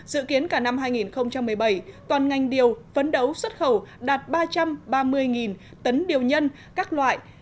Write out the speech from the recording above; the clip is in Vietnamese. dự kiến cả năm hai nghìn một mươi bảy toàn ngành điều phấn đấu xuất khẩu đạt ba trăm ba mươi tấn điều nhân các loại